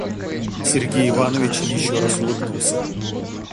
Сергей Иванович еще раз улыбнулся.